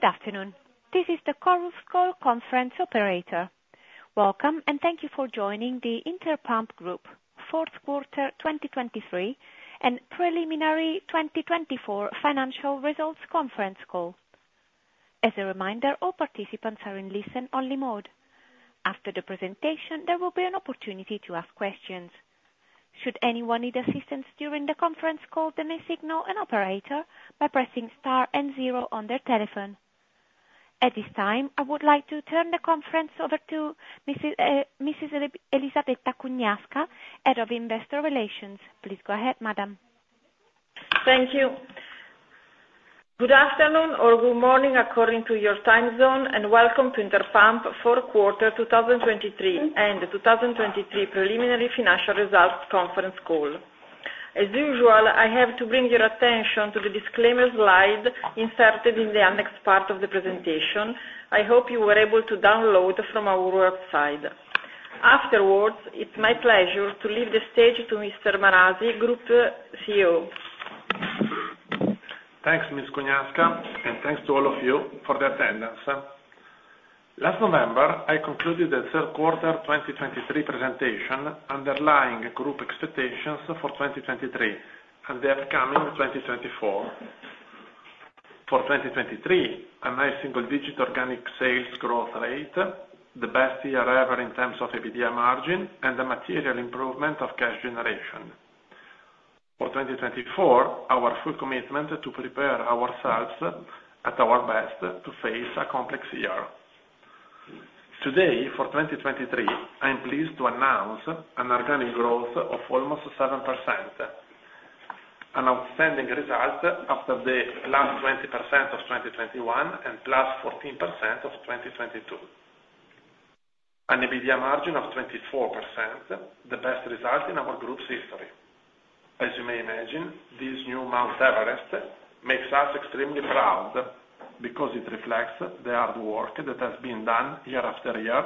Good afternoon. This is the Chorus Call conference operator. Welcome, and thank you for joining the Interpump Group fourth quarter 2023 and preliminary 2024 financial results conference call. As a reminder, all participants are in listen-only mode. After the presentation, there will be an opportunity to ask questions. Should anyone need assistance during the conference call, they may signal an operator by pressing star and zero on their telephone. At this time, I would like to turn the conference over to Mrs. Elisabetta Cugnasca, Head of Investor Relations. Please go ahead, Madam. Thank you. Good afternoon or good morning according to your time zone, and welcome to Interpump fourth quarter 2023 and 2023 preliminary financial results conference call. As usual, I have to bring your attention to the disclaimer slide inserted in the annex part of the presentation, I hope you were able to download from our website. Afterwards, it's my pleasure to leave the stage to Mr. Marasi, Group CEO. Thanks, Ms. Cugnasca, and thanks to all of you for the attendance. Last November, I concluded the third quarter 2023 presentation underlying group expectations for 2023 and the upcoming 2024. For 2023, a nice single-digit organic sales growth rate, the best year ever in terms of EBITDA margin, and the material improvement of cash generation. For 2024, our full commitment to prepare ourselves at our best to face a complex year. Today, for 2023, I'm pleased to announce an organic growth of almost 7%, an outstanding result after the last 20% of 2021 and +14% of 2022, an EBITDA margin of 24%, the best result in our group's history. As you may imagine, this new Mount Everest makes us extremely proud because it reflects the hard work that has been done year after year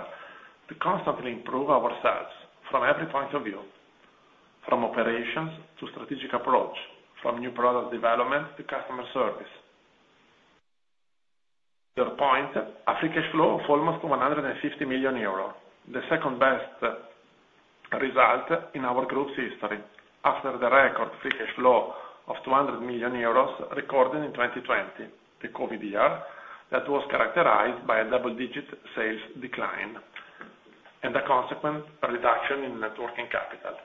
to constantly improve ourselves from every point-of-view, from operations to strategic approach, from new product development to customer service. To your point, a free cash flow of almost 150 million euros, the second-best result in our group's history after the record free cash flow of 200 million euros recorded in 2020, the COVID year that was characterized by a double-digit sales decline and a consequent reduction in net working capital.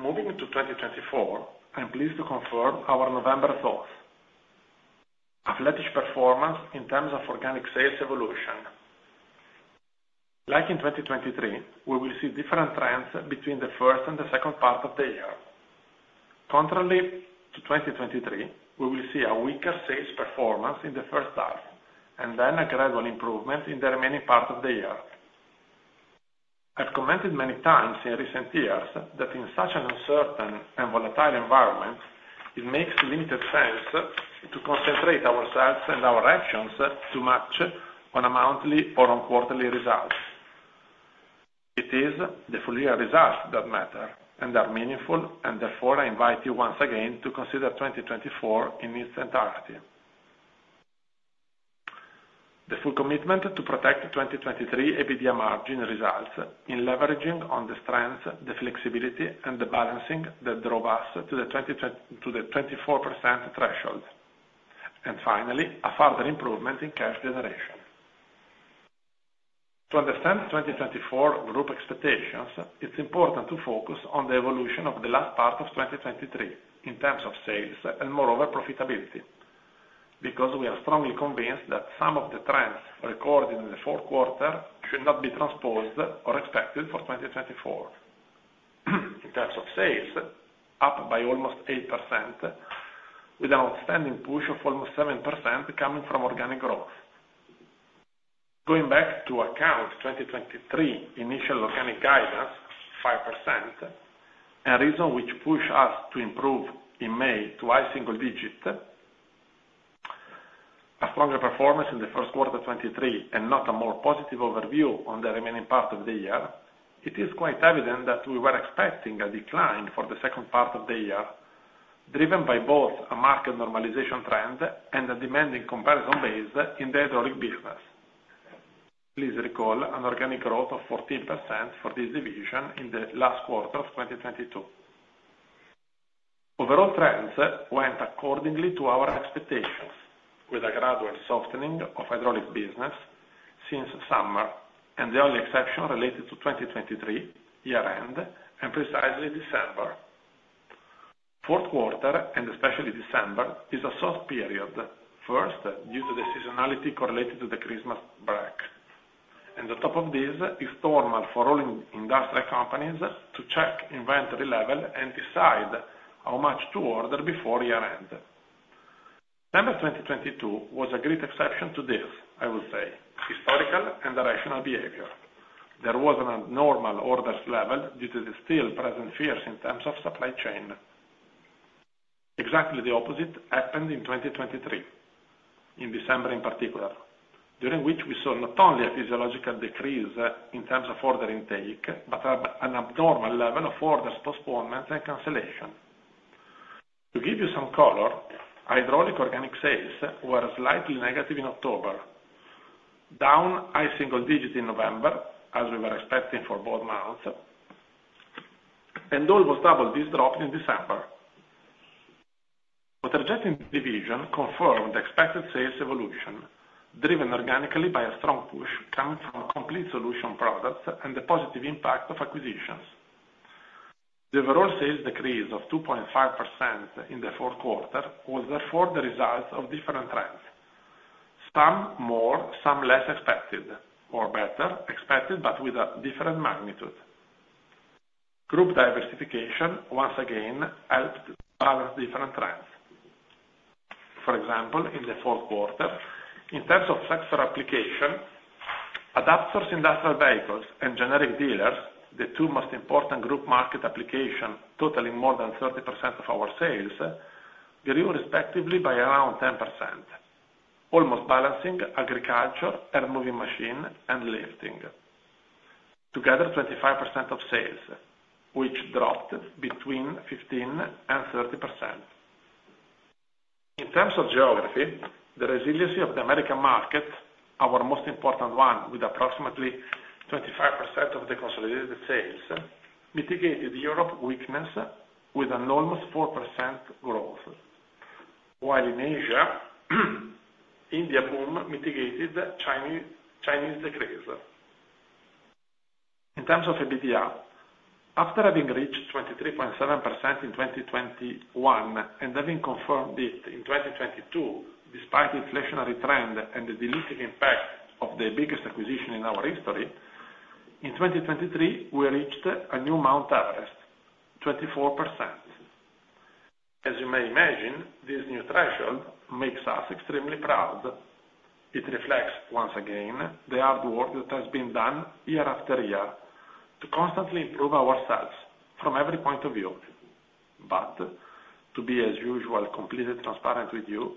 Moving to 2024, I'm pleased to confirm our November thoughts, athletic performance in terms of organic sales evolution. Like in 2023, we will see different trends between the first and the second part of the year. Contrary to 2023, we will see a weaker sales performance in the first half and then a gradual improvement in the remaining part of the year. I've commented many times in recent years that in such an uncertain and volatile environment, it makes limited sense to concentrate ourselves and our actions too much on a monthly or on quarterly results. It is the full-year results that matter and are meaningful, and therefore I invite you once again to consider 2024 in its entirety. The full commitment to protect 2023 EBITDA margin results in leveraging on the strengths, the flexibility, and the balancing that drove us to the 24% threshold, and finally, a further improvement in cash generation. To understand 2024 group expectations, it's important to focus on the evolution of the last part of 2023 in terms of sales and, moreover, profitability because we are strongly convinced that some of the trends recorded in the fourth quarter should not be transposed or expected for 2024. In terms of sales, up by almost 8%, with an outstanding push of almost 7% coming from organic growth. Going back to account 2023 initial organic guidance, 5%, and the reason which pushed us to improve in May to a single digit, a stronger performance in the first quarter 2023, and not a more positive overview on the remaining part of the year, it is quite evident that we were expecting a decline for the second part of the year driven by both a market normalization trend and a demanding comparison base in the hydraulic business. Please recall an organic growth of 14% for this division in the last quarter of 2022. Overall trends went according to our expectations, with a gradual softening of hydraulic business since summer, and the only exception related to 2023 year-end, and precisely December. Fourth quarter, and especially December, is a soft period, first due to the seasonality correlated to the Christmas break, and on top of this, it's normal for all industrial companies to check inventory level and decide how much to order before year-end. November 2022 was a great exception to this, I would say, historical and irrational behavior. There was an abnormal order level due to the still-present fears in terms of supply chain. Exactly the opposite happened in 2023, in December in particular, during which we saw not only a physiological decrease in terms of order intake but an abnormal level of order postponements and cancellation. To give you some color, hydraulic organic sales were slightly negative in October, down a single digit in November as we were expecting for both months, and almost double this drop in December. Waterjet Division confirmed the expected sales evolution driven organically by a strong push coming from complete solution products and the positive impact of acquisitions. The overall sales decrease of 2.5% in the fourth quarter was therefore the result of different trends, some more, some less expected, or better, expected but with a different magnitude. Group diversification, once again, helped balance different trends. For example, in the fourth quarter, in terms of sector application, agri, industrial vehicles and generic dealers, the two most important group market applications totaling more than 30% of our sales, grew respectively by around 10%, almost balancing agriculture, air moving machine, and lifting, together 25% of sales, which dropped between 15% and 30%. In terms of geography, the resiliency of the American market, our most important one with approximately 25% of the consolidated sales, mitigated Europe weakness with an almost 4% growth, while in Asia, India boom mitigated Chinese decrease. In terms of EBITDA, after having reached 23.7% in 2021 and having confirmed it in 2022 despite inflationary trend and the diluting impact of the biggest acquisition in our history, in 2023, we reached a new Mount Everest, 24%. As you may imagine, this new threshold makes us extremely proud. It reflects, once again, the hard work that has been done year-after-year to constantly improve ourselves from every point-of-view. But to be, as usual, completely transparent with you,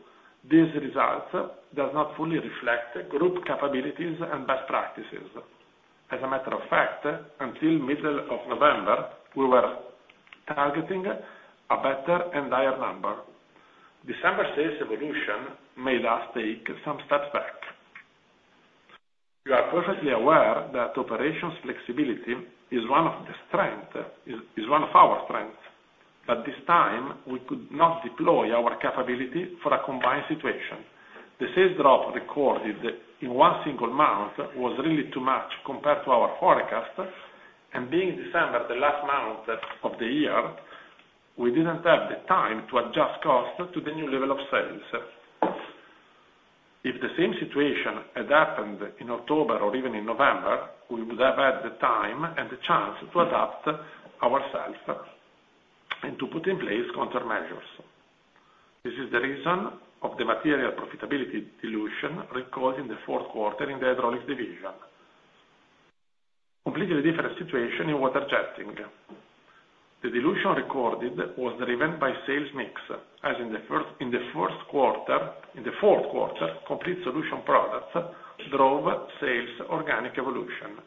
this result does not fully reflect group capabilities and best practices. As a matter of fact, until middle of November, we were targeting a better and higher number. December sales evolution made us take some steps back. You are perfectly aware that operations flexibility is one of our strengths, but this time, we could not deploy our capability for a combined situation. The sales drop recorded in one single month was really too much compared to our forecast, and being December the last month of the year, we didn't have the time to adjust costs to the new level of sales. If the same situation had happened in October or even in November, we would have had the time and the chance to adapt ourselves and to put in place countermeasures. This is the reason of the material profitability dilution recorded in the fourth quarter in the hydraulic division. Completely different situation in waterjetting. The dilution recorded was driven by sales mix, as in the first quarter, in the fourth quarter, complete solution products drove sales organic evolution.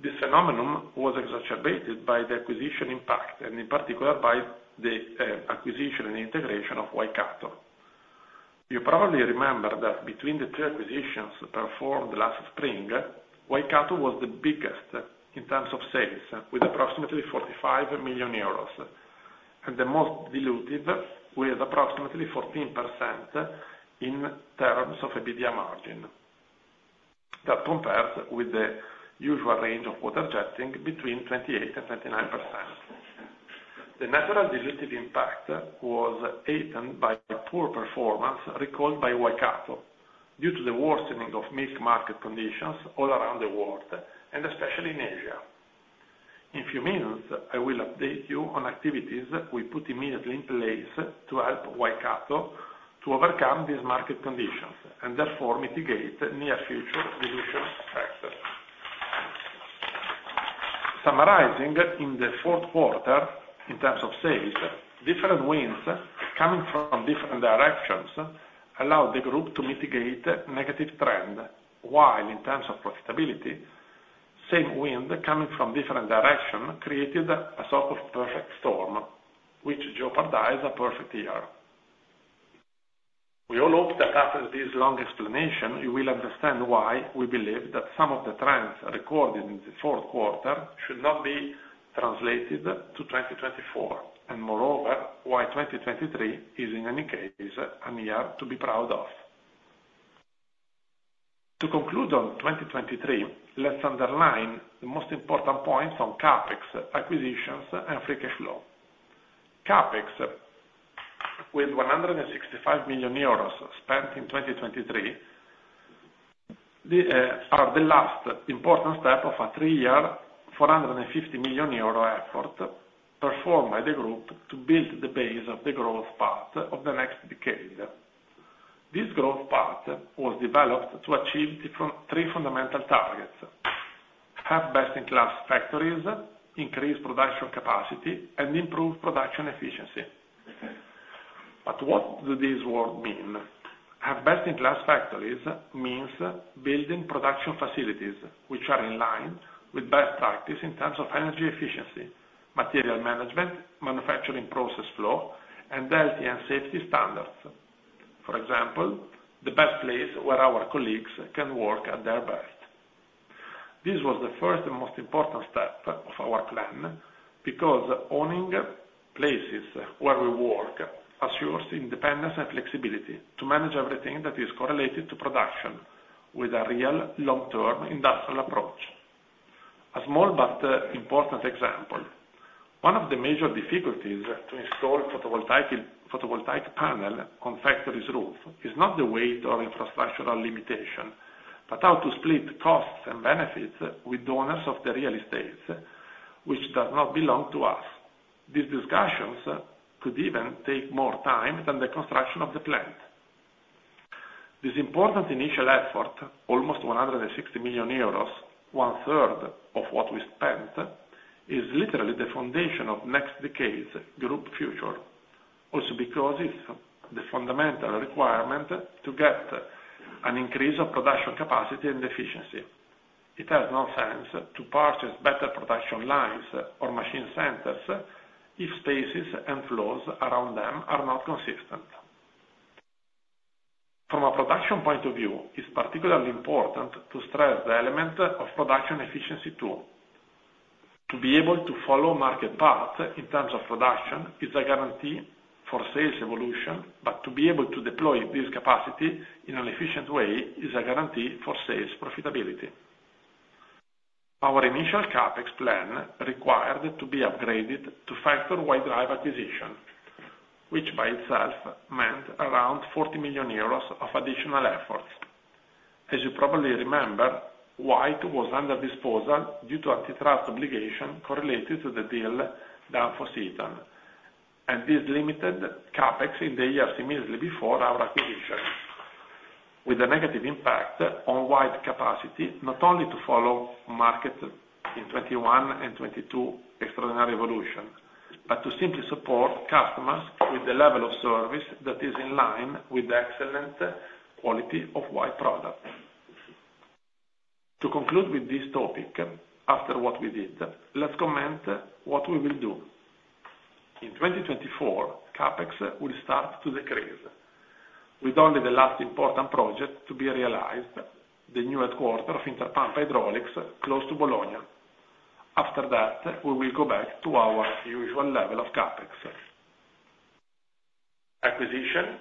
This phenomenon was exacerbated by the acquisition impact, and in particular, by the acquisition and integration of Waikato. You probably remember that between the two acquisitions performed last spring, Waikato was the biggest in terms of sales with approximately 45 million euros, and the most dilutive with approximately 14% in terms of EBITDA margin, that compares with the usual range of waterjeting between 28% and 29%. The natural dilutive impact was eaten by poor performance recorded by Waikato due to the worsening of milk market conditions all around the world and especially in Asia. In a few minutes, I will update you on activities we put immediately in place to help Waikato to overcome these market conditions and therefore mitigate near-future dilution factors. Summarizing, in the fourth quarter, in terms of sales, different winds coming from different directions allowed the group to mitigate negative trend, while in terms of profitability, same wind coming from different directions created a sort of perfect storm, which jeopardized a perfect year. We all hope that after this long explanation, you will understand why we believe that some of the trends recorded in the fourth quarter should not be translated to 2024 and, moreover, why 2023 is, in any case, a year to be proud of. To conclude on 2023, let's underline the most important points on CapEx, acquisitions, and free cash flow. CapEx, with 165 million euros spent in 2023, are the last important step of a three-year, 450 million euro effort performed by the group to build the base of the growth path of the next decade. This growth path was developed to achieve three fundamental targets, have best-in-class factories, increase production capacity, and improve production efficiency. But what do these words mean? Have best-in-class factories means building production facilities which are in line with best practice in terms of energy efficiency, material management, manufacturing process flow, and health and safety standards. For example, the best place where our colleagues can work at their best. This was the first and most important step of our plan because owning places where we work assures independence and flexibility to manage everything that is correlated to production with a real long-term industrial approach. A small but important example, one of the major difficulties to install photovoltaic panels on factories' roofs is not the weight or infrastructural limitation but how to split costs and benefits with owners of the real estates which do not belong to us. These discussions could even take more time than the construction of the plant. This important initial effort, almost 160 million euros, 1/3 of what we spent, is literally the foundation of next decade's group future, also because it's the fundamental requirement to get an increase of production capacity and efficiency. It has no sense to purchase better production lines or machine centers if spaces and flows around them are not consistent. From a production point-of-view, it's particularly important to stress the element of production efficiency too. To be able to follow market paths in terms of production is a guarantee for sales evolution, but to be able to deploy this capacity in an efficient way is a guarantee for sales profitability. Our initial CapEx plan required to be upgraded to factor White Drive acquisition, which by itself meant around 40 million euros of additional efforts. As you probably remember, White was under disposal due to antitrust obligation correlated to the deal done for Eaton, and this limited CapEx in the years immediately before our acquisition, with a negative impact on White's capacity not only to follow market in 2021 and 2022 extraordinary evolution but to simply support customers with the level of service that is in line with the excellent quality of White product. To conclude with this topic, after what we did, let's comment what we will do. In 2024, CapEx will start to decrease, with only the last important project to be realized, the new headquarters of Interpump Hydraulics close to Bologna. After that, we will go back to our usual level of CapEx. Acquisition,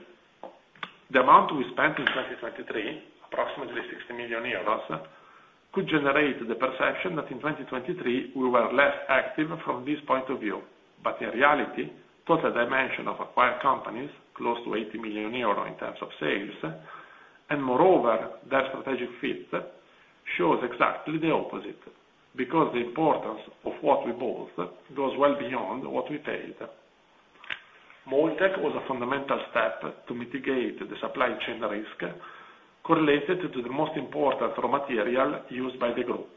the amount we spent in 2023, approximately 60 million euros, could generate the perception that in 2023, we were less active from this point-of-view, but in reality, total dimension of acquired companies close to 80 million euro in terms of sales and, moreover, their strategic fit shows exactly the opposite because the importance of what we bought goes well beyond what we paid. Moltec was a fundamental step to mitigate the supply chain risk correlated to the most important raw material used by the group,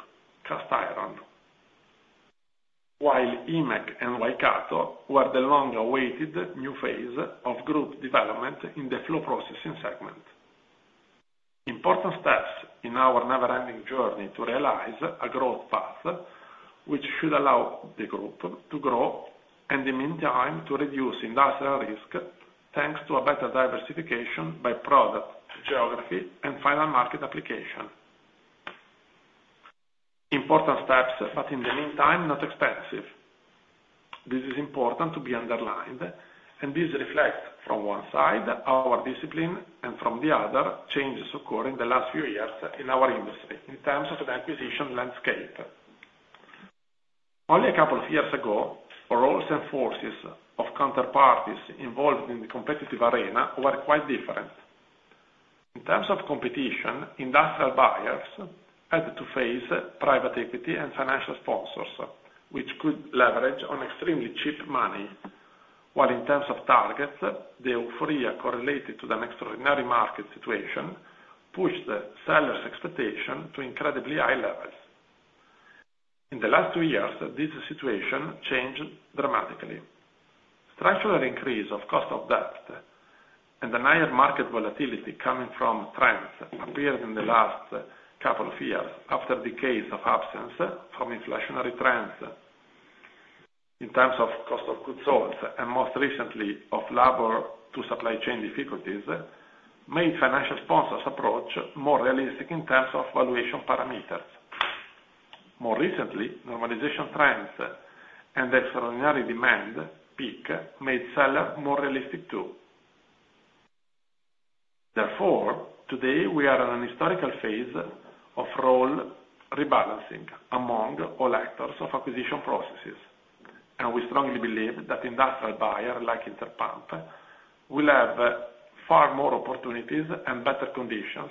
cast iron, while I.Mec and Waikato were the long-awaited new phase of group development in the flow processing segment. Important steps in our never-ending journey to realize a growth path which should allow the group to grow and, in the meantime, to reduce industrial risk thanks to a better diversification by product geography and final market application. Important steps, but in the meantime, not expensive. This is important to be underlined, and this reflects, from one side, our discipline and, from the other, changes occurring the last few years in our industry in terms of the acquisition landscape. Only a couple of years ago, roles and forces of counterparties involved in the competitive arena were quite different. In terms of competition, industrial buyers had to face private equity and financial sponsors which could leverage on extremely cheap money, while in terms of targets, the euphoria correlated to the extraordinary market situation pushed sellers' expectations to incredibly high levels. In the last two years, this situation changed dramatically. Structural increase of cost of debt and a higher market volatility coming from trends appeared in the last couple of years after decades of absence from inflationary trends. In terms of cost of goods sold and, most recently, of labor to supply chain difficulties, made financial sponsors' approach more realistic in terms of valuation parameters. More recently, normalization trends and extraordinary demand peak made sellers more realistic too. Therefore, today, we are in a historical phase of role rebalancing among all actors of acquisition processes, and we strongly believe that industrial buyers like Interpump will have far more opportunities and better conditions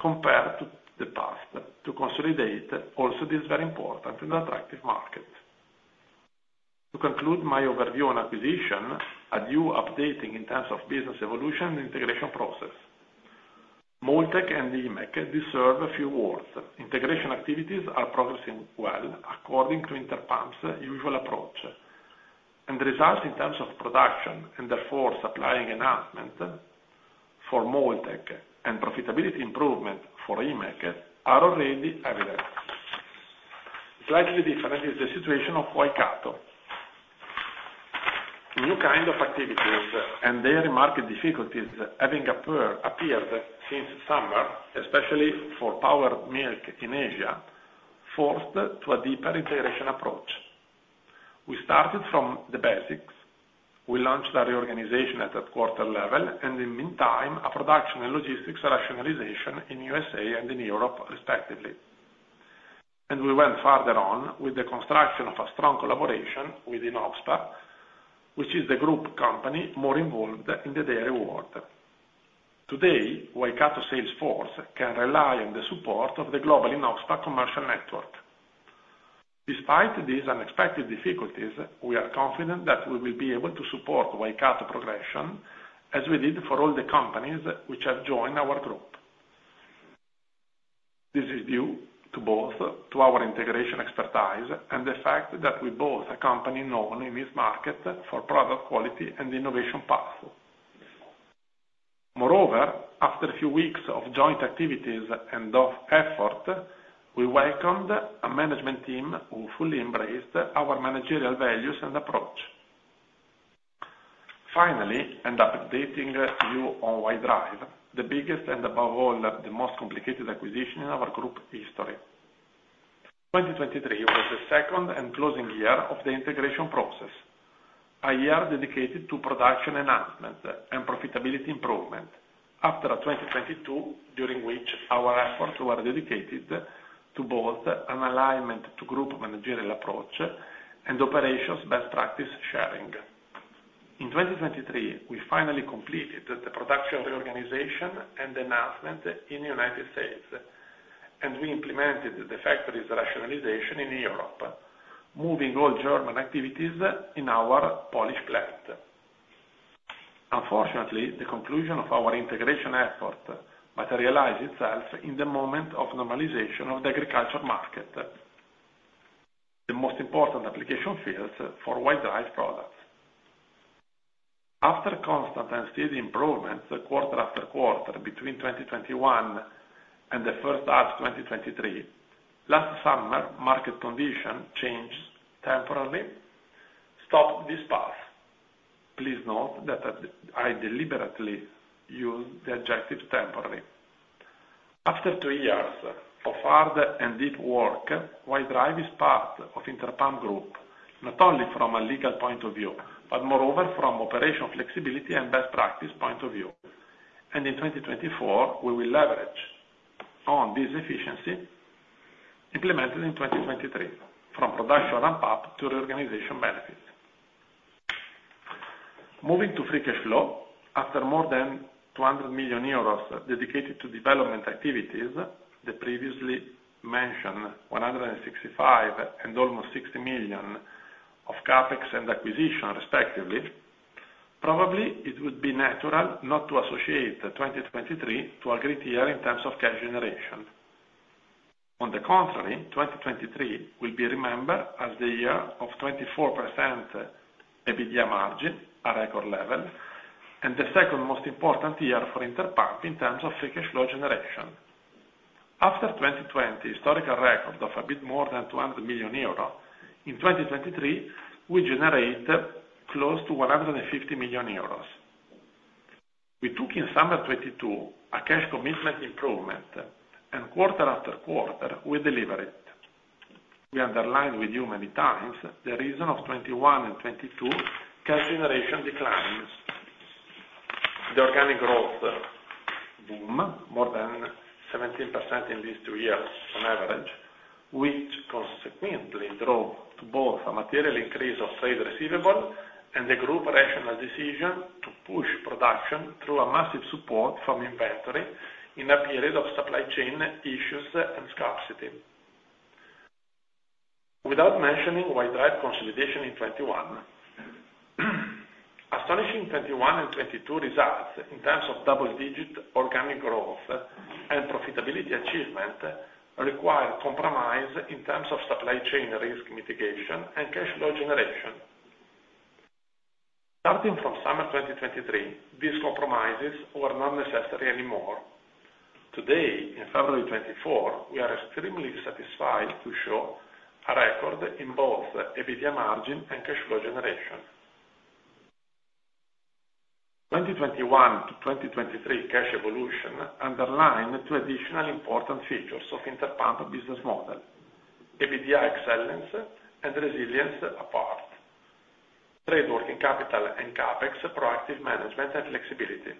compared to the past to consolidate also this very important and attractive market. To conclude my overview on acquisition, a new updating in terms of business evolution and integration process. Moltec and I.Mec deserve a few words. Integration activities are progressing well according to Interpump's usual approach, and the results in terms of production and, therefore, supply enhancement for Moltec and profitability improvement for I.Mec are already evident. Slightly different is the situation of Waikato. New kind of activities and daily market difficulties having appeared since summer, especially for powder milk in Asia, forced to a deeper integration approach. We started from the basics. We launched a reorganization at headquarters level and, in the meantime, a production and logistics rationalization in the USA and in Europe, respectively. We went further on with the construction of a strong collaboration with INOXPA, which is the group company more involved in the dairy world. Today, Waikato's sales force can rely on the support of the global INOXPA commercial network. Despite these unexpected difficulties, we are confident that we will be able to support Waikato's progression as we did for all the companies which have joined our group. This is due to both our integration expertise and the fact that we both are a company known in this market for product quality and innovation path. Moreover, after a few weeks of joint activities and effort, we welcomed a management team who fully embraced our managerial values and approach. Finally, and updating you on White Drive, the biggest and, above all, the most complicated acquisition in our group history. 2023 was the second and closing year of the integration process, a year dedicated to production enhancement and profitability improvement after 2022, during which our efforts were dedicated to both an alignment to group managerial approach and operations best practice sharing. In 2023, we finally completed the production reorganization and enhancement in the United States, and we implemented the factories' rationalization in Europe, moving all German activities in our Polish plant. Unfortunately, the conclusion of our integration effort materialized itself in the moment of normalization of the agriculture market, the most important application fields for White Drive products. After constant and steady improvements quarter-after-quarter between 2021 and the first half of 2023, last summer, market conditions changed temporarily, stopped this path. Please note that I deliberately used the adjective temporary. After two years of hard and deep work, White Drive is part of Interpump Group not only from a legal point-of-view but, moreover, from operational flexibility and best practice point-of-view. And in 2024, we will leverage on this efficiency implemented in 2023 from production ramp-up to reorganization benefits. Moving to free cash flow, after more than 200 million euros dedicated to development activities, the previously mentioned 165 million and almost 60 million of CapEx and acquisition, respectively, probably it would be natural not to associate 2023 to a great year in terms of cash generation. On the contrary, 2023 will be remembered as the year of 24% EBITDA margin, a record level, and the second most important year for Interpump in terms of free cash flow generation. After 2020, a historical record of a bit more than 200 million euro, in 2023, we generate close to 150 million euros. We took in summer 2022 a cash commitment improvement, and quarter after quarter, we deliver it. We underlined with you many times the reason of 2021 and 2022 cash generation declines, the organic growth boom, more than 17% in these two years on average, which consequently drove to both a material increase of trade receivable and the group's rational decision to push production through a massive support from inventory in a period of supply chain issues and scarcity. Without mentioning White Drive consolidation in 2021, astonishing 2021 and 2022 results in terms of double-digit organic growth and profitability achievement required compromise in terms of supply chain risk mitigation and cash flow generation. Starting from summer 2023, these compromises were not necessary anymore. Today, in February 2024, we are extremely satisfied to show a record in both EBITDA margin and cash flow generation. 2021-2023 cash evolution underlined two additional important features of Interpump's business model, EBITDA excellence and resilience apart, trade working capital and CapEx, proactive management, and flexibility.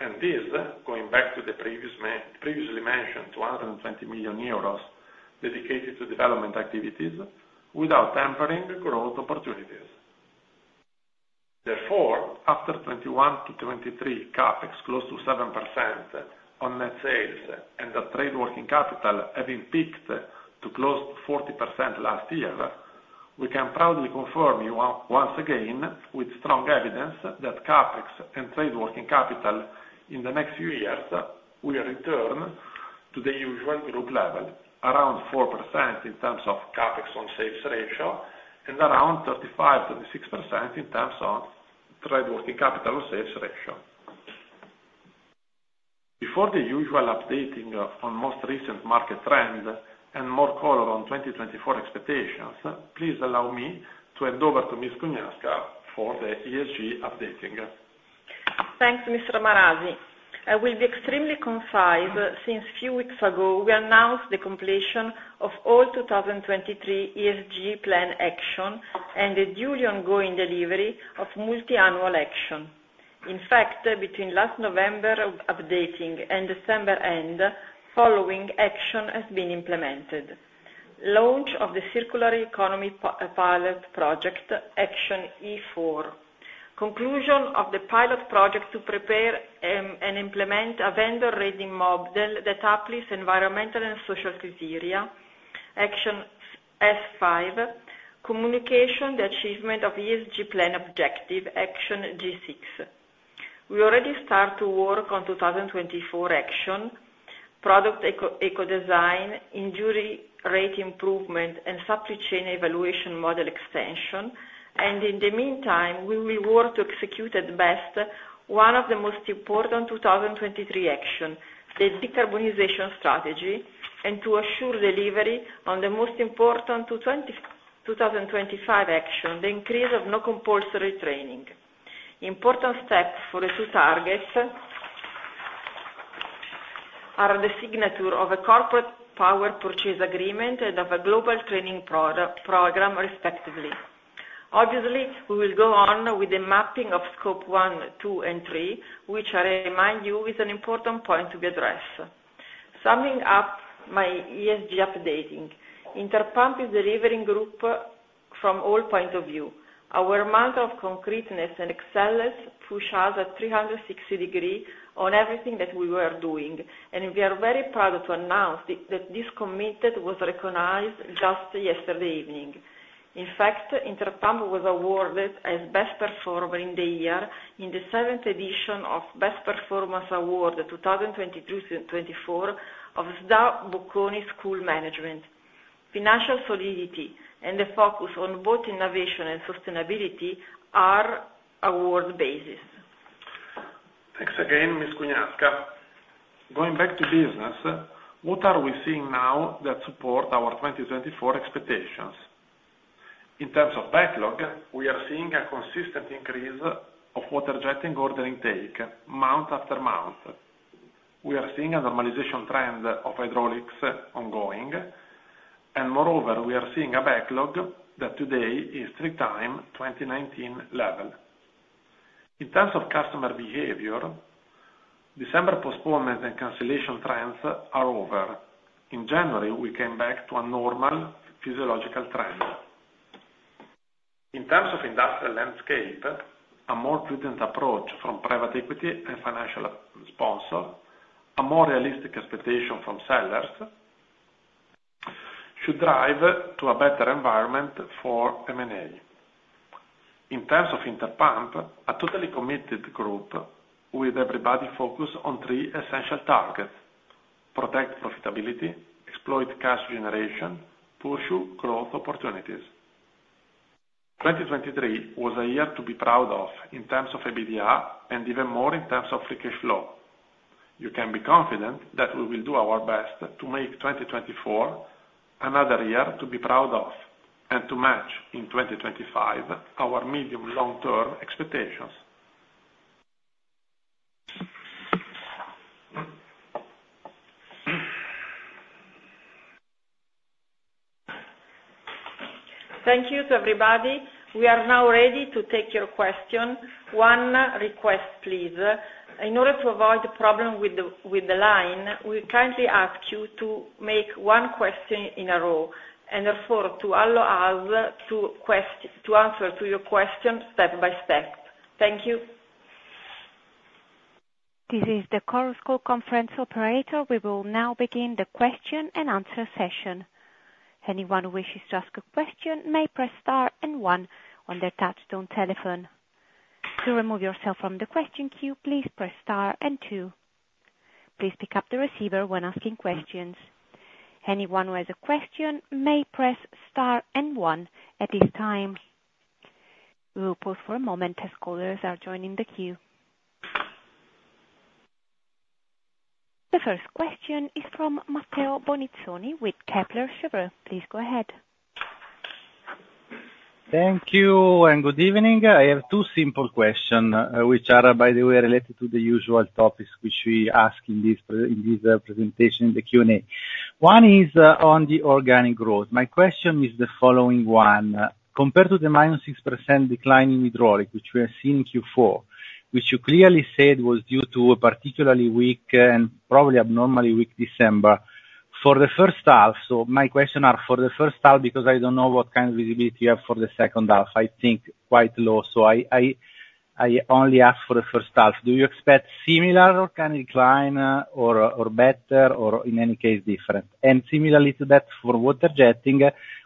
And this, going back to the previously mentioned 220 million euros dedicated to development activities without tampering growth opportunities. Therefore, after 2021-2023 CapEx close to 7% on net sales and the trade working capital having peaked to close to 40% last year, we can proudly confirm once again with strong evidence that CapEx and trade working capital in the next few years will return to the usual group level, around 4% in terms of CapEx on sales ratio and around 35%-36% in terms of trade working capital on sales ratio. Before the usual updating on most recent market trends and more color on 2024 expectations, please allow me to hand over to Miss Cugnasca for the ESG updating. Thanks, Mr. Marasi. I will be extremely concise since a few weeks ago, we announced the completion of all 2023 ESG plan action and the duly ongoing delivery of multi-annual action. In fact, between last November updating and December end, following action has been implemented, launch of the circular economy pilot project, Action E4, conclusion of the pilot project to prepare and implement a vendor rating model that uplifts environmental and social criteria, Action S5, communication the achievement of ESG plan objective, Action G6. We already start to work on 2024 action, product eco-design, injury rate improvement, and supply chain evaluation model extension. In the meantime, we will work to execute at best one of the most important 2023 actions, the decarbonization strategy, and to assure delivery on the most important 2025 action, the increase of no-compulsory training. Important steps for the two targets are the signature of a corporate power purchase agreement and of a global training program, respectively. Obviously, we will go on with the mapping of scope one, two, and three, which, I remind you, is an important point to be addressed. Summing up my ESG updating, Interpump is delivering good from all points of view. Our mantra of concreteness and excellence pushed us a 360-degree on everything that we were doing, and we are very proud to announce that this commitment was recognized just yesterday evening. In fact, Interpump was awarded as best performer in the year in the seventh edition of Best Performance Award 2023-2024 of SDA Bocconi School of Management. Financial solidity and the focus on both innovation and sustainability are award-based. Thanks again, Miss Cugnasca. Going back to business, what are we seeing now that support our 2024 expectations? In terms of backlog, we are seeing a consistent increase of water jetting order intake, mount-after-mount. We are seeing a normalization trend of hydraulics ongoing, and moreover, we are seeing a backlog that today is three times 2019 level. In terms of customer behavior, December postponement and cancellation trends are over. In January, we came back to a normal physiological trend. In terms of industrial landscape, a more prudent approach from private equity and financial sponsors, a more realistic expectation from sellers, should drive to a better environment for M&A. In terms of Interpump, a totally committed group with everybody focused on three essential targets, protect profitability, exploit cash generation, pursue growth opportunities. 2023 was a year to be proud of in terms of EBITDA and even more in terms of free cash flow. You can be confident that we will do our best to make 2024 another year to be proud of and to match in 2025 our medium-long-term expectations. Thank you to everybody. We are now ready to take your question. One request, please. In order to avoid problems with the line, we kindly ask you to make one question in a row and, therefore, to allow us to answer your question step by step. Thank you. This is the Chorus Call conference operator. We will now begin the question-and-answer session. Anyone who wishes to ask a question may press star and one on their touch-tone telephone. To remove yourself from the question queue, please press star and two. Please pick up the receiver when asking questions. Anyone who has a question may press star and one at this time. We will pause for a moment as callers are joining the queue. The first question is from Matteo Bonizzoni with Kepler Cheuvreux. Please go ahead. Thank you and good evening. I have two simple questions, which are, by the way, related to the usual topics which we ask in this presentation, in the Q&A. One is on the organic growth. My question is the following one, compared to the -6% decline in hydraulics, which we have seen in Q4, which you clearly said was due to a particularly weak and probably abnormally weak December, for the first half, so my questions are for the first half because I don't know what kind of visibility you have for the second half. I think quite low, so I only ask for the first half. Do you expect similar organic decline or better or, in any case, different? And similarly to that, for water jetting,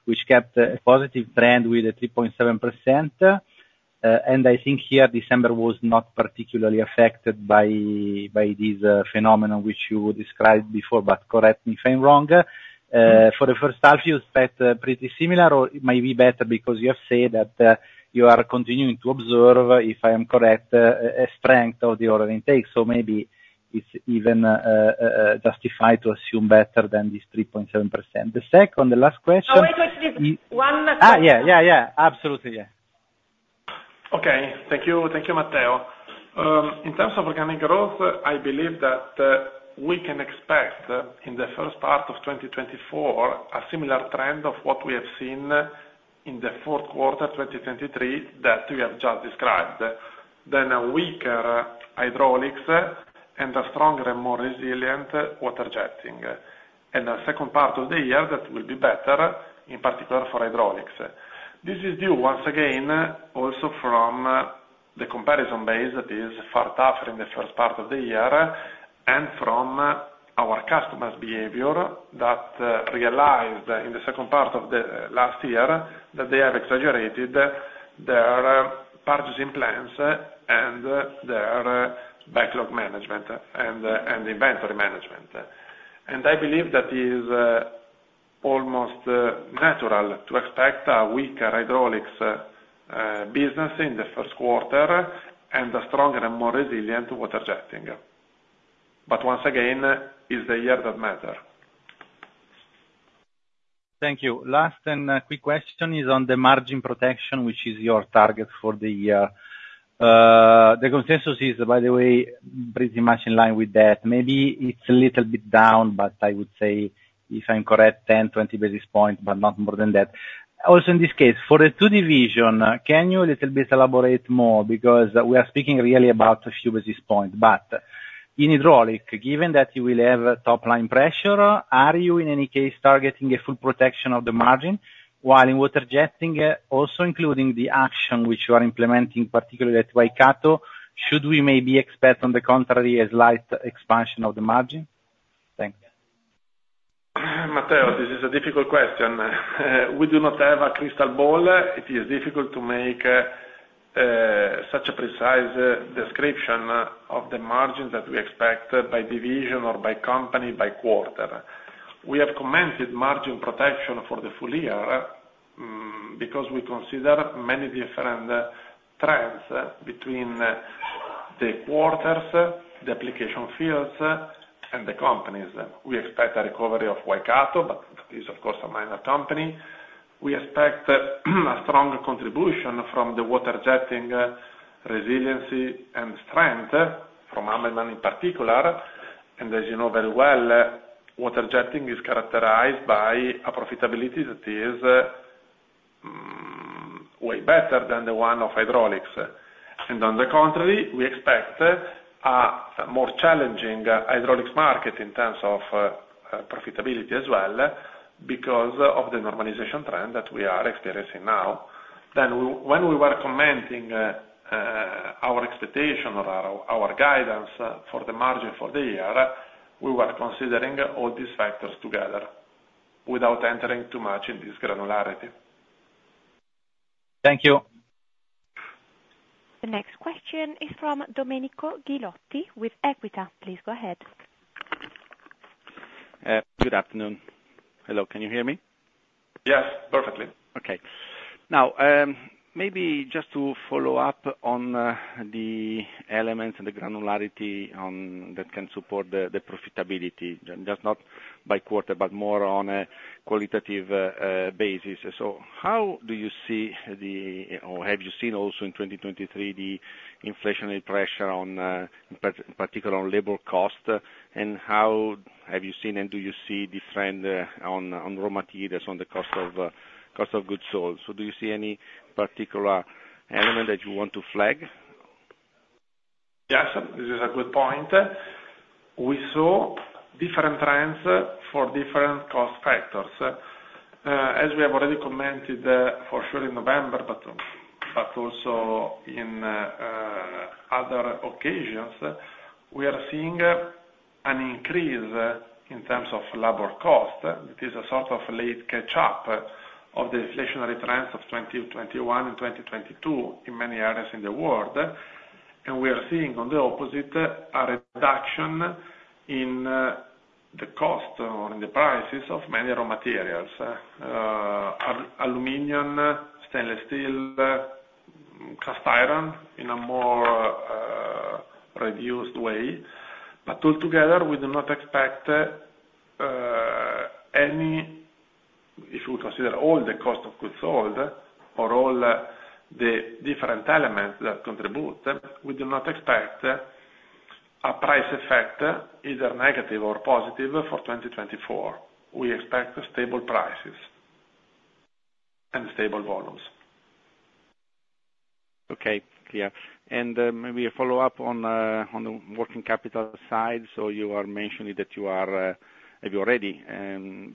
which kept a positive trend with a 3.7%, and I think here December was not particularly affected by this phenomenon which you described before, but correct me if I'm wrong. For the first half, you expect pretty similar or it might be better because you have said that you are continuing to observe, if I am correct, a strength of the order intake. So maybe it's even justified to assume better than this 3.7%. The second, the last question. No, wait, actually one question. Yeah, yeah, yeah. Absolutely, yeah. Okay. Thank you, Matteo. In terms of organic growth, I believe that we can expect in the first part of 2024 a similar trend of what we have seen in the fourth quarter 2023 that you have just described, then a weaker hydraulics and a stronger and more resilient water jetting. The second part of the year that will be better, in particular for hydraulics. This is due, once again, also from the comparison base that is far tougher in the first part of the year and from our customers' behavior that realized in the second part of last year that they have exaggerated their purchasing plans and their backlog management and inventory management. And I believe that it is almost natural to expect a weaker hydraulics business in the first quarter and a stronger and more resilient water jetting. But once again, it's the year that matters. Thank you. Last and quick question is on the margin protection, which is your target for the year. The consensus is, by the way, pretty much in line with that. Maybe it's a little bit down, but I would say, if I'm correct, 10, 20 basis points, but not more than that. Also, in this case, for the two divisions, can you a little bit elaborate more? Because we are speaking really about a few basis points. But in hydraulic, given that you will have top-line pressure, are you, in any case, targeting a full protection of the margin while in water jetting, also including the action which you are implementing, particularly at Waikato, should we maybe expect, on the contrary, a slight expansion of the margin? Thanks. Matteo, this is a difficult question. We do not have a crystal ball. It is difficult to make such a precise description of the margins that we expect by division or by company by quarter. We have commented margin protection for the full-year because we consider many different trends between the quarters, the application fields, and the companies. We expect a recovery of Waikato, but that is, of course, a minor company. We expect a strong contribution from the waterjetting resiliency and strength from Amelman in particular. As you know very well, water jetting is characterized by a profitability that is way better than the one of hydraulics. On the contrary, we expect a more challenging hydraulics market in terms of profitability as well because of the normalization trend that we are experiencing now. When we were commenting our expectation or our guidance for the margin for the year, we were considering all these factors together without entering too much in this granularity. Thank you. The next question is from Domenico Ghilotti with Equita. Please go ahead. Good afternoon. Hello. Can you hear me? Yes, perfectly. Okay. Now, maybe just to follow-up on the elements and the granularity that can support the profitability, just not by quarter but more on a qualitative basis. So how do you see the, or have you seen also in 2023 the inflationary pressure, in particular, on labor cost? And how have you seen and do you see the trend on raw materials, on the cost of goods sold? So do you see any particular element that you want to flag? Yes, this is a good point. We saw different trends for different cost factors. As we have already commented, for sure, in November but also in other occasions, we are seeing an increase in terms of labor cost. It is a sort of late catch-up of the inflationary trends of 2021 and 2022 in many areas in the world. And we are seeing, on the opposite, a reduction in the cost or in the prices of many raw materials, aluminum, stainless steel, cast iron in a more reduced way. But altogether, we do not expect any if we consider all the cost of goods sold or all the different elements that contribute. We do not expect a price effect either negative or positive for 2024. We expect stable prices and stable volumes. Okay. Clear. And maybe a follow-up on the working capital side. So you are mentioning that you have already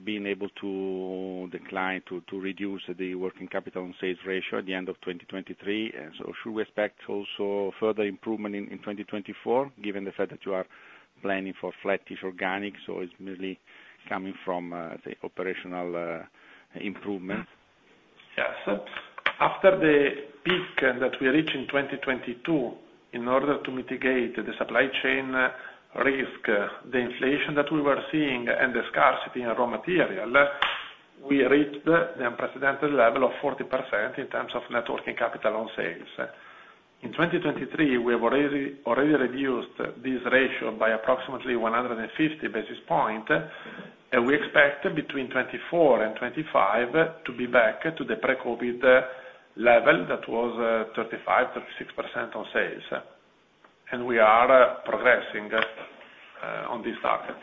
been able to decline to reduce the working capital and sales ratio at the end of 2023. So should we expect also further improvement in 2024 given the fact that you are planning for flat-tish organic? So it's merely coming from the operational improvements. Yes. After the peak that we reached in 2022 in order to mitigate the supply chain risk, the inflation that we were seeing, and the scarcity in raw material, we reached the unprecedented level of 40% in terms of net working capital on sales. In 2023, we have already reduced this ratio by approximately 150 basis points, and we expect between 2024 and 2025 to be back to the pre-COVID level that was 35%-36% on sales. And we are progressing on this target.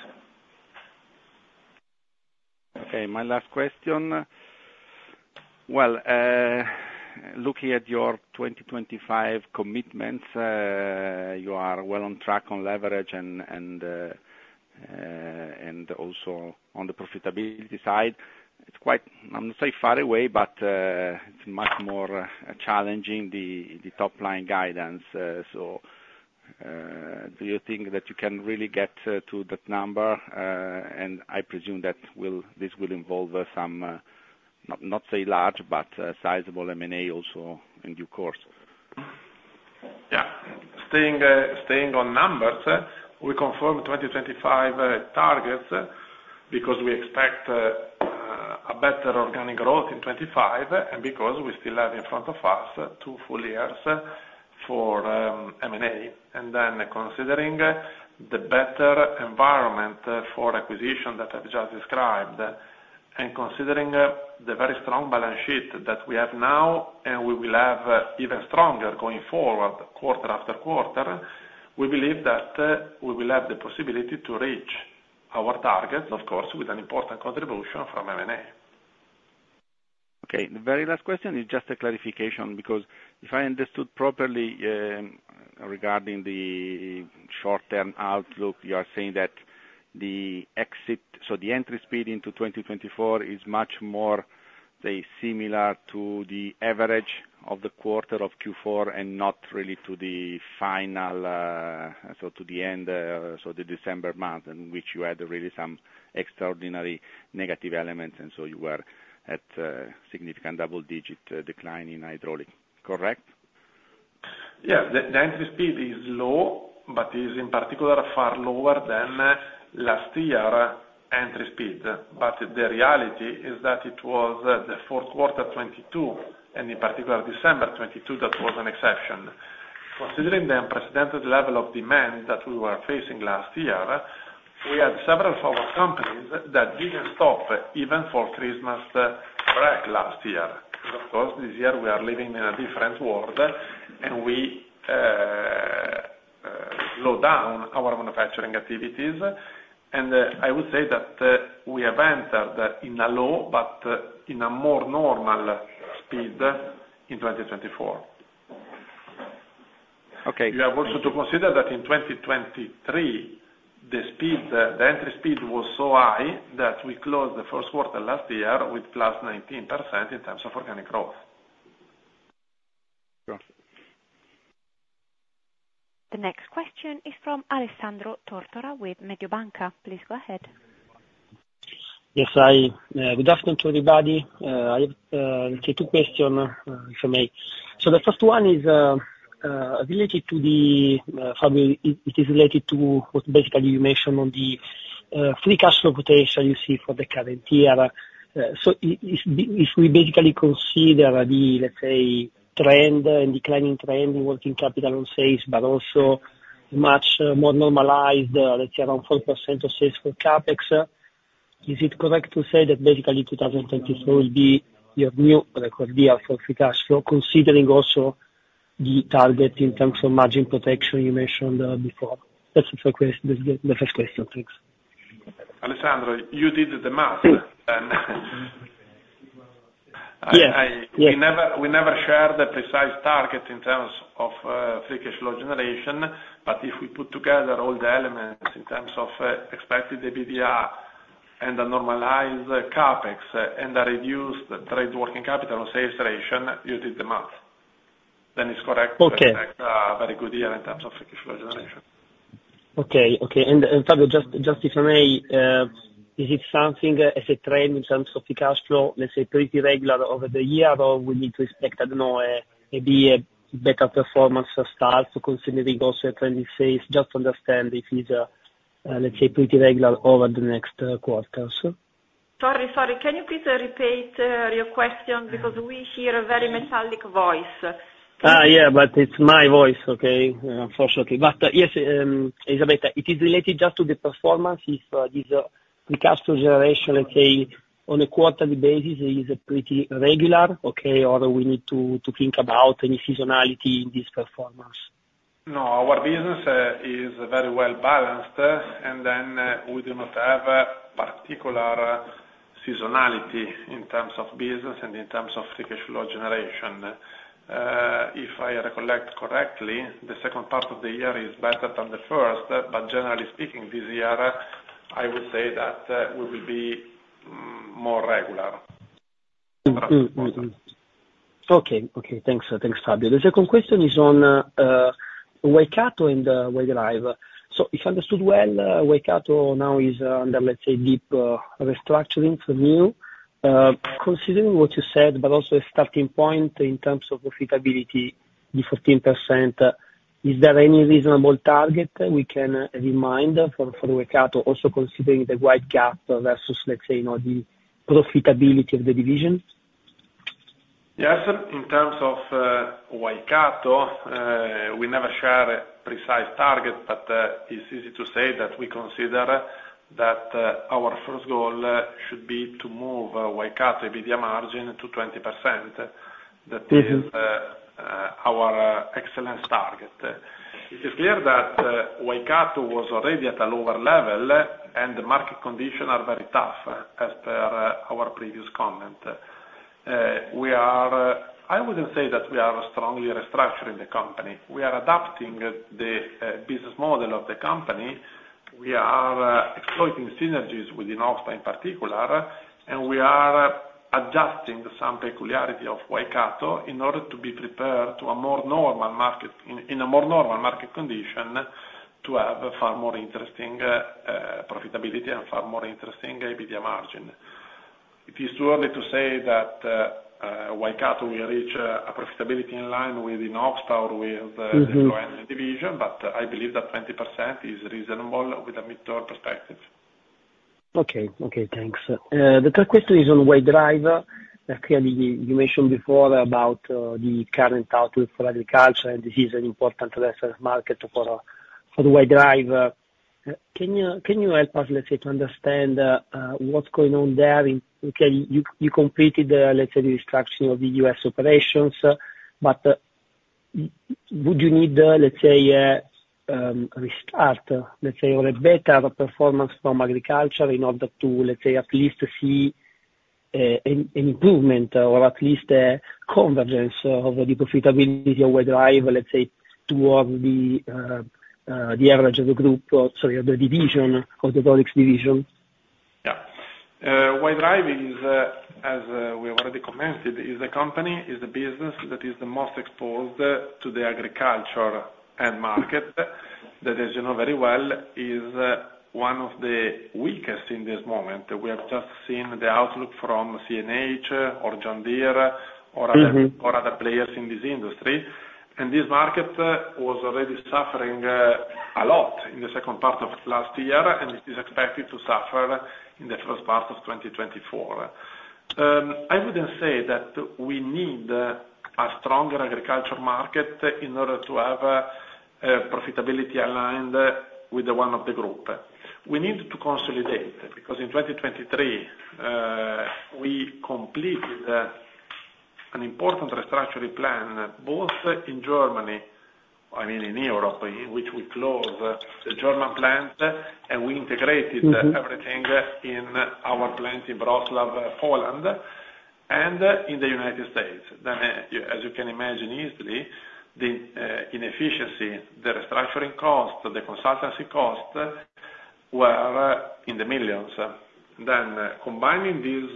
Okay. My last question. Well, looking at your 2025 commitments, you are well on track on leverage and also on the profitability side. It's quite I'm not saying far away, but it's much more challenging, the top-line guidance. So do you think that you can really get to that number? And I presume that this will involve some not say large but sizable M&A also in due course. Yeah. Staying on numbers, we confirm 2025 targets because we expect a better organic growth in 2025 and because we still have in front of us two full-years for M&A. And then considering the better environment for acquisition that I've just described and considering the very strong balance sheet that we have now and we will have even stronger going forward quarter after quarter, we believe that we will have the possibility to reach our targets, of course, with an important contribution from M&A. Okay. The very last question is just a clarification because if I understood properly regarding the short-term outlook, you are saying that the exit so the entry speed into 2024 is much more, say, similar to the average of the quarter of Q4 and not really to the final so to the end, so the December month in which you had really some extraordinary negative elements, and so you were at significant double-digit decline in hydraulic. Correct? Yeah. The entry speed is low but is, in particular, far lower than last year's entry speed. But the reality is that it was the fourth quarter 2022 and, in particular, December 2022 that was an exception. Considering the unprecedented level of demand that we were facing last year, we had several of our companies that didn't stop even for Christmas break last year. Of course, this year we are living in a different world, and we slowed down our manufacturing activities. I would say that we have entered in a low but in a more normal speed in 2024. You have also to consider that in 2023, the entry speed was so high that we closed the first quarter last year with +19% in terms of organic growth. Sure. The next question is from Alessandro Tortora with Mediobanca. Please go ahead. Yes. Good afternoon to everybody. I have two questions, if I may. So the first one is related to what basically you mentioned on the free cash flow potential you see for the current year. So if we basically consider the, let's say, trend and declining trend in working capital on sales but also much more normalized, let's say, around 4% of sales for CapEx, is it correct to say that basically 2024 will be your new record year for free cash flow considering also the target in terms of margin protection you mentioned before? That's the first question. Thanks. Alessandro, you did the math then. We never shared a precise target in terms of free cash flow generation, but if we put together all the elements in terms of expected EBITDA and a normalized CapEx and a reduced trade working capital on sales ratio, you did the math. Then it's correct to expect a very good year in terms of Free Cash Flow generation. Okay. Okay. And Fabio, just if I may, is it something as a trend in terms of free cash flow, let's say, pretty regular over the year or we need to expect, I don't know, maybe a better performance start considering also a trend in sales? Just to understand if it's, let's say, pretty regular over the next quarters. Sorry, sorry. Can you please repeat your question because we hear a very metallic voice? Yeah, but it's my voice, okay? Unfortunately. But yes, Elisabetta, it is related just to the performance if this free cash flow generation, let's say, on a quarterly basis is pretty regular, okay, or we need to think about any seasonality in this performance? No, our business is very well balanced, and then we do not have particular seasonality in terms of business and in terms of free cash flow generation. If I recollect correctly, the second part of the year is better than the first, but generally speaking, this year, I would say that we will be more regular. That's important. Okay. Okay. Thanks. Thanks, Fabio. The second question is on Waikato and White Drive. So if I understood well, Waikato now is under, let's say, deep restructuring for now. Considering what you said but also a starting point in terms of profitability, the 14%, is there any reasonable target we can remind for Waikato also considering the wide gap versus, let's say, the profitability of the division? Yes. In terms of Waikato, we never share a precise target, but it's easy to say that we consider that our first goal should be to move Waikato EBITDA margin to 20%. That is our excellence target. It is clear that Waikato was already at a lower level, and the market conditions are very tough as per our previous comment. I wouldn't say that we are strongly restructuring the company. We are adapting the business model of the company. We are exploiting synergies within INOXPA in particular, and we are adjusting some peculiarity of Waikato in order to be prepared to a more normal market in a more normal market condition to have far more interesting profitability and far more interesting EBITDA margin. It is too early to say that Waikato will reach a profitability in line with INOXPA or with the division, but I believe that 20% is reasonable with a mid-term perspective. Okay. Okay. Thanks. The third question is on Walvoil. Okay. You mentioned before about the current outlook for agriculture, and this is an important asset market for Walvoil. Can you help us, let's say, to understand what's going on there? Okay. You completed, let's say, the restructuring of the U.S. operations, but would you need, let's say, a restart, let's say, or a better performance from agriculture in order to, let's say, at least see an improvement or at least a convergence of the profitability of Walvoil, let's say, towards the average of the group or, sorry, of the division, of the hydraulics division? Yeah. Waidelive is, as we have already commented, the business that is the most exposed to the agriculture end market that, as you know very well, is one of the weakest in this moment. We have just seen the outlook from CNH or John Deere or other players in this industry. This market was already suffering a lot in the second part of last year, and it is expected to suffer in the first part of 2024. I wouldn't say that we need a stronger agriculture market in order to have profitability aligned with one of the groups. We need to consolidate because in 2023, we completed an important restructuring plan both in Germany I mean, in Europe, in which we closed the German plants, and we integrated everything in our plant in Wrocław, Poland, and in the United States. Then, as you can imagine easily, the inefficiency, the restructuring cost, the consultancy cost were in the millions. Then combining this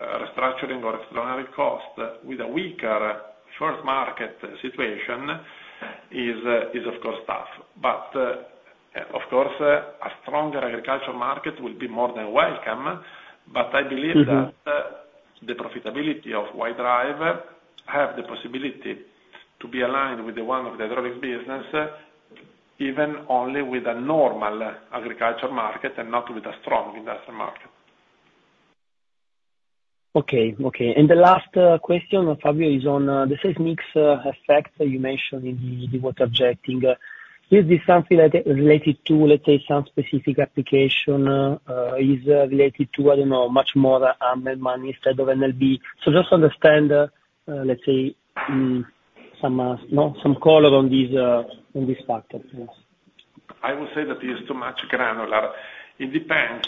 restructuring or extraordinary cost with a weaker first-market situation is, of course, tough. But, of course, a stronger agriculture market will be more than welcome, but I believe that the profitability of White Drive has the possibility to be aligned with one of the hydraulics business even only with a normal agriculture market and not with a strong industrial market. Okay. Okay. And the last question, Fabio, is on the sales mix effect you mentioned in the water jetting. Is this something related to, let's say, some specific application? Is it related to, I don't know, much more Hammelmann instead of NLB? So just to understand, let's say, some color on this factor, please. I would say that it is too much granular. It depends.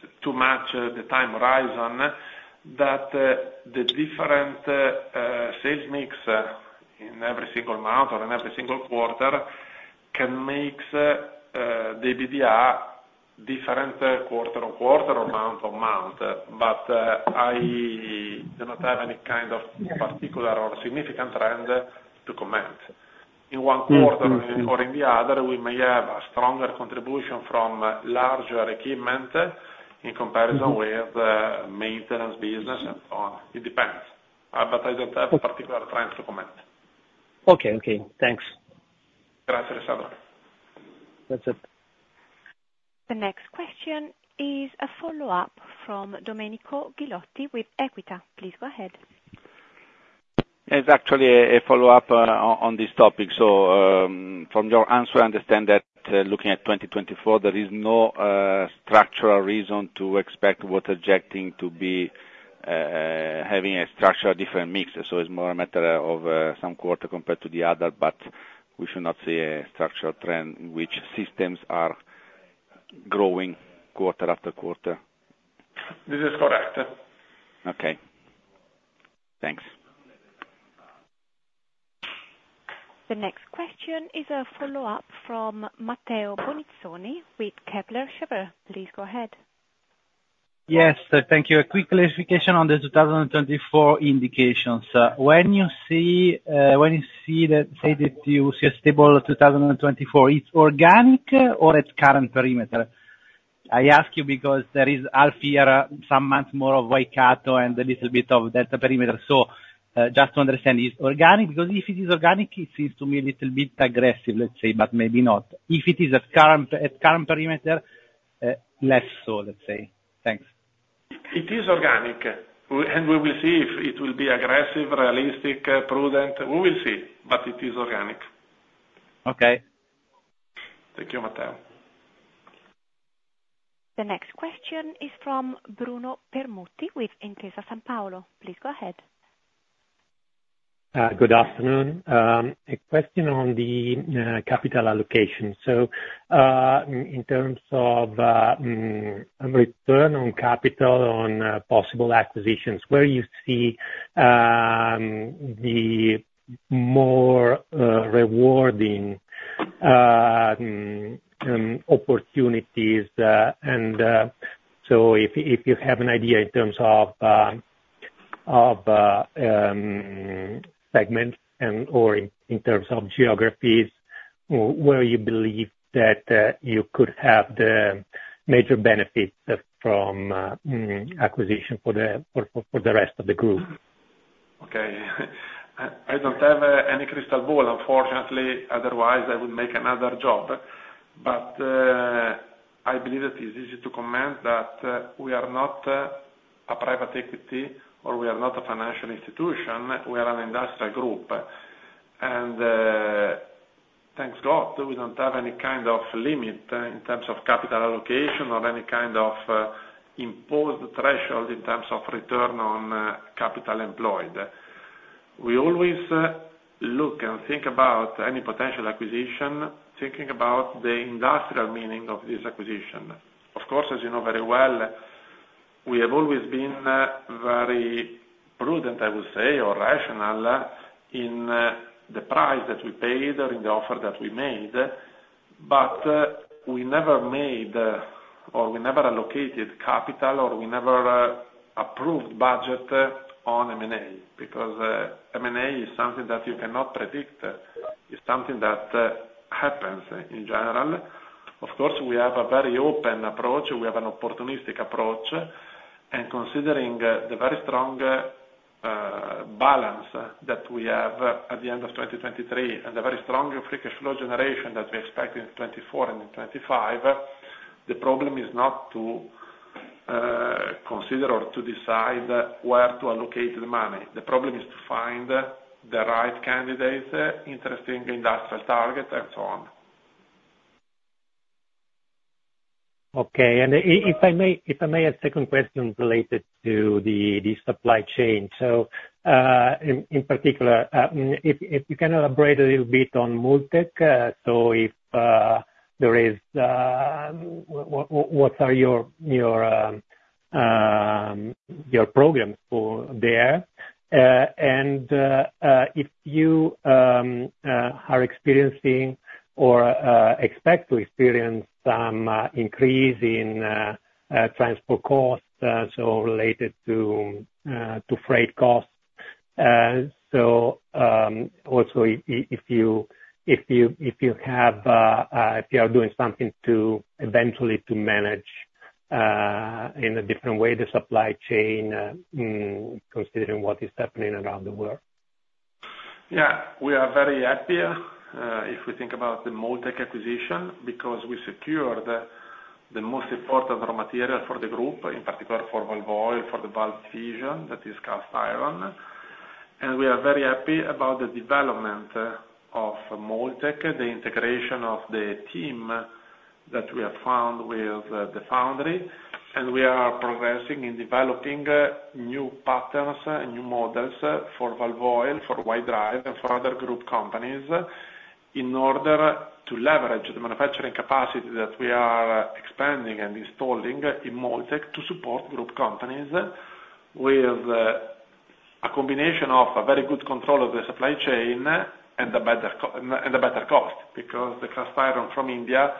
Sorry. We are restricted too much the time horizon that the different sales mix in every single month or in every single quarter can make the EBITDA different quarter-on-quarter or month-on-month, but I do not have any kind of particular or significant trend to comment. In one quarter or in the other, we may have a stronger contribution from larger equipment in comparison with maintenance business and so on. It depends. But I don't have particular trends to comment. Okay. Okay. Thanks. Gracias, Alessandro. That's it. The next question is a follow-up from Domenico Ghilotti with Equita. Please go ahead. It's actually a follow-up on this topic. So from your answer, I understand that looking at 2024, there is no structural reason to expect water jetting to be having a structurally different mix. So it's more a matter of some quarter compared to the other, but we should not see a structural trend in which systems are growing quarter after quarter. This is correct. Okay. Thanks. The next question is a follow-up from Matteo Bonizzoni with Kepler Cheuvreux. Please go ahead. Yes. Thank you. A quick clarification on the 2024 indications. When you see when you see that, say, that you see a stable 2024, it's organic or it's current perimeter? I ask you because there is half year, some months more of Waikato and a little bit of that perimeter. So just to understand, is it organic? Because if it is organic, it seems to me a little bit aggressive, let's say, but maybe not. If it is at current perimeter, less so, let's say. Thanks. It is organic, and we will see if it will be aggressive, realistic, prudent. We will see, but it is organic. Thank you, Matteo. The next question is from Bruno Permutti with Intesa Sanpaolo. Please go ahead. Good afternoon. A question on the capital allocation. So in terms of return on capital on possible acquisitions, where you see the more rewarding opportunities. And so if you have an idea in terms of segments or in terms of geographies, where you believe that you could have the major benefits from acquisition for the rest of the group? Okay. I don't have any crystal ball, unfortunately. Otherwise, I would make another job. But I believe that it's easy to comment that we are not a private equity or we are not a financial institution. We are an industrial group. Thank God, we don't have any kind of limit in terms of capital allocation or any kind of imposed threshold in terms of return on capital employed. We always look and think about any potential acquisition, thinking about the industrial meaning of this acquisition. Of course, as you know very well, we have always been very prudent, I would say, or rational in the price that we paid or in the offer that we made, but we never made or we never allocated capital or we never approved budget on M&A because M&A is something that you cannot predict. It's something that happens in general. Of course, we have a very open approach. We have an opportunistic approach. Considering the very strong balance that we have at the end of 2023 and the very strong free cash flow generation that we expect in 2024 and in 2025, the problem is not to consider or to decide where to allocate the money. The problem is to find the right candidate, interesting industrial target, and so on. Okay. And if I may, a second question related to the supply chain. So in particular, if you can elaborate a little bit on Moltec, so if there is what are your programs there? And if you are experiencing or expect to experience some increase in transport costs, so related to freight costs. So also, if you are doing something eventually to manage in a different way the supply chain, considering what is happening around the world. Yeah. We are very happy if we think about the Moltec acquisition because we secured the most important raw material for the group, in particular, for Walvoil, for the valve division that is cast iron. We are very happy about the development of Moltec, the integration of the team that we have found with the foundry. We are progressing in developing new patterns and new models for Walvoil, for Walvoil, and for other group companies in order to leverage the manufacturing capacity that we are expanding and installing in Moltec to support group companies with a combination of a very good control of the supply chain and a better cost because the cast iron from India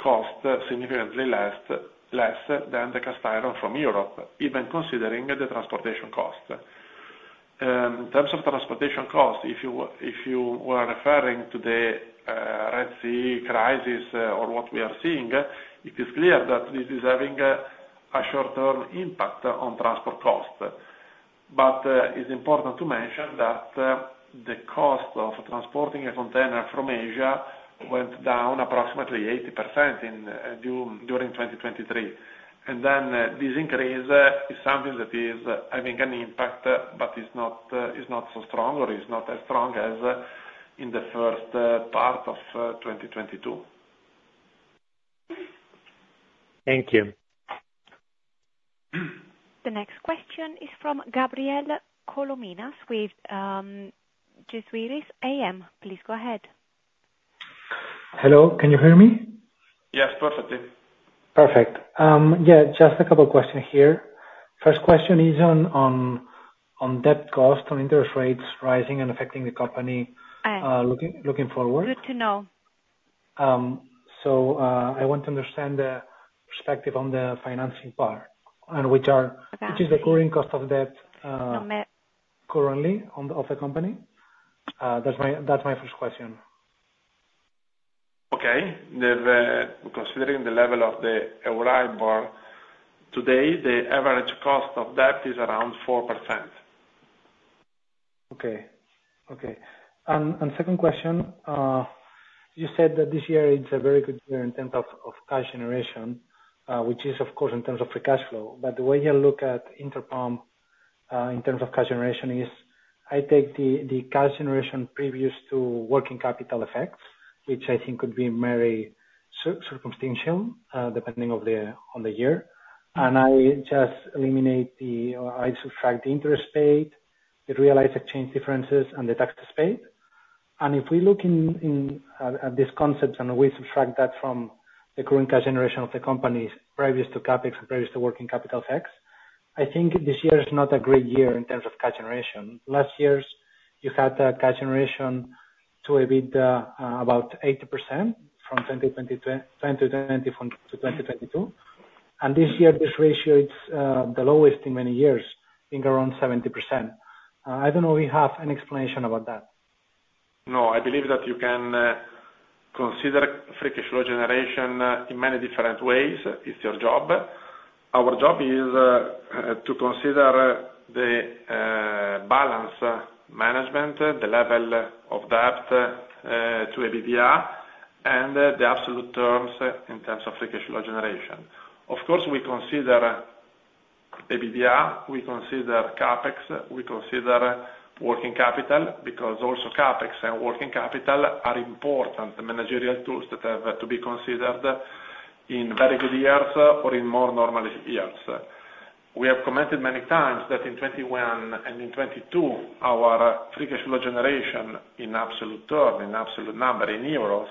costs significantly less than the cast iron from Europe, even considering the transportation cost. In terms of transportation cost, if you were referring to the Red Sea crisis or what we are seeing, it is clear that this is having a short-term impact on transport cost. But it's important to mention that the cost of transporting a container from Asia went down approximately 80% during 2023. And then this increase is something that is having an impact, but it's not so strong or it's not as strong as in the first part of 2022. Thank you. The next question is from Gabriel Colominas with Gesiuris AM. Please go ahead. Hello. Can you hear me? Yes. Perfectly. Perfect. Yeah. Just a couple of questions here. First question is on debt cost, on interest rates rising and affecting the company looking forward. Good to know. So I want to understand the perspective on the financing part, which is the current cost of debt currently of the company. That's my first question. Okay. Considering the level of the Euribor today, the average cost of debt is around 4%. Okay. Okay. And second question, you said that this year, it's a very good year in terms of cash generation, which is, of course, in terms of free cash flow. But the way I look at Interpump in terms of cash generation is I take the cash generation previous to working capital effects, which I think could be very circumstantial depending on the year. And I just eliminate the or I subtract the interest paid, the realized exchange differences, and the taxes paid. If we look at these concepts and we subtract that from the current cash generation of the companies previous to CapEx and previous to working capital effects, I think this year is not a great year in terms of cash generation. Last year, you had cash generation to a bit about 80% from 2020-2022. This year, this ratio, it's the lowest in many years, being around 70%. I don't know if you have an explanation about that. No. I believe that you can consider free cash flow generation in many different ways. It's your job. Our job is to consider the balance management, the level of debt to EBITDA, and the absolute terms in terms of free cash flow generation. Of course, we consider EBITDA. We consider CapEx. We consider working capital because also CapEx and working capital are important managerial tools that have to be considered in very good years or in more normal years. We have commented many times that in 2021 and in 2022, our free cash flow generation in absolute term, in absolute number, in euros,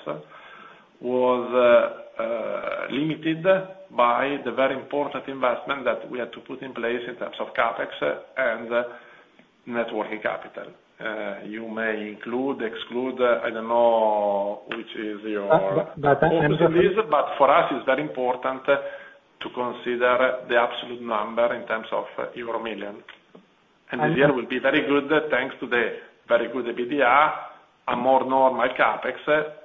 was limited by the very important investment that we had to put in place in terms of CapEx and working capital. You may include, exclude. I don't know which is your answer, please. But for us, it's very important to consider the absolute number in terms of euro million. And this year will be very good thanks to the very good EBITDA, a more normal CapEx,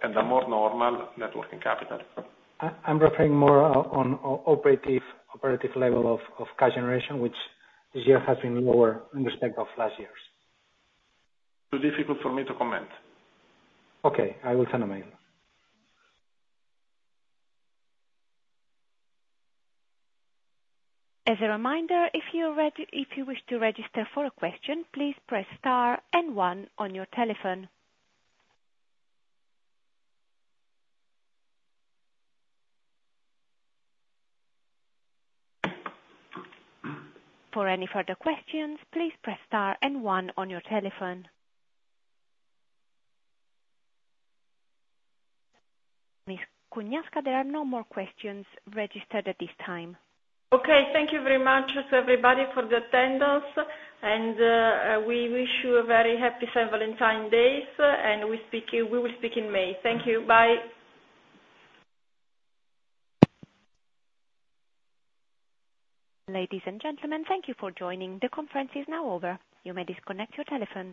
and a more normal working capital. I'm referring more on operative level of cash generation, which this year has been lower in respect of last year's. Too difficult for me to comment. Okay. I will send a mail. As a reminder, if you wish to register for a question, please press star and one on your telephone. For any further questions, please press star and one on your telephone. Ms. Cugnasca, there are no more questions registered at this time. Okay. Thank you very much to everybody for the attendance. We wish you a very happy St. Valentine's Day. We will speak in May. Thank you. Bye. Ladies and gentlemen, thank you for joining. The conference is now over. You may disconnect your telephone.